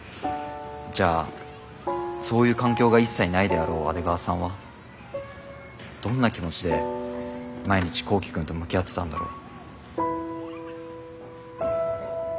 じゃあそういう環境が一切ないであろう阿出川さんはどんな気持ちで毎日幸希くんと向き合ってたんだろう。